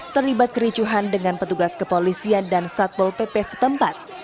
terlibat kericuhan dengan petugas kepolisian dan satpol pp setempat